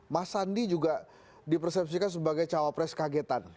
mas sandi juga dipersepsikan sebagai cawa pres kagetan